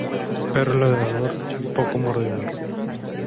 Perro ladrador, poco mordedor.